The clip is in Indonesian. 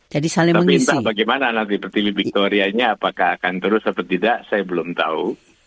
tapi entah bagaimana nanti per tv victoria nya apakah akan terus atau tidak saya belum tahu